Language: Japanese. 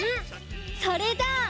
それじゃあ。